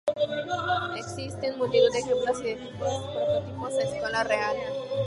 Existen multitud de ejemplos y de tipos de prototipos a escala real.